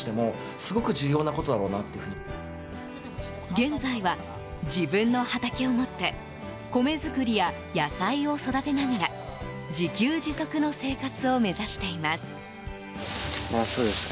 現在は、自分の畑を持って米作りや野菜を育てながら自給自足の生活を目指しています。